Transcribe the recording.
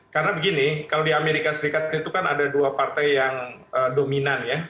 karena begini kalau di amerika serikat itu kan ada dua partai yang dominan ya